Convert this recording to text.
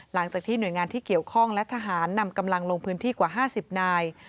หลังจากที่หน่วยงานที่เกี่ยวข้องและทหารนำกำลังลงพื้นที่กว่า๕๐นาย